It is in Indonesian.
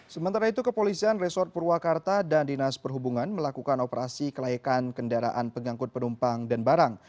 sementara itu kepolisian resort purwakarta dan dinas perhubungan melakukan operasi kelayakan kendaraan pengangkut penumpang dan barang